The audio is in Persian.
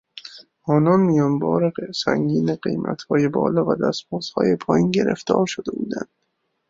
آنان میانبار سنگین قیمتهای بالا و دستمزدهای پایین گرفتار شده بودند.